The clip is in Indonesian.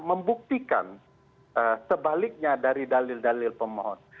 membuktikan sebaliknya dari dalil dalil pemohon